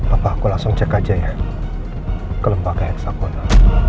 apa aku langsung cek aja ya ke lombaga heksagonal